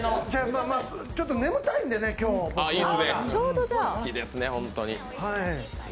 ちょっと眠たいんでね、今日好きですね、ホントに。